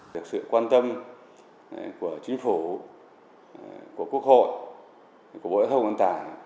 được sự quan tâm của chính phủ của quốc hội của bộ y tế thông an tài